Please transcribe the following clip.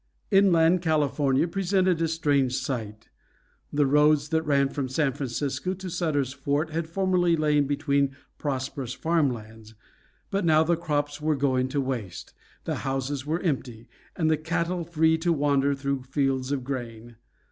Inland California presented a strange sight. The roads that ran from San Francisco to Sutter's Fort had formerly lain between prosperous farm lands, but now the crops were going to waste, the houses were empty, and the cattle free to wander through fields of grain.